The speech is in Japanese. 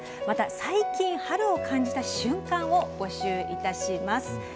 また、「最近、春を感じた瞬間」を募集いたします。